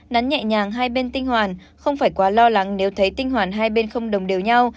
nắn nhẹ nhàng hai bên tinh hoàn không phải quá lo lắng nếu thấy tinh hoàn hai bên không đồng đều nhau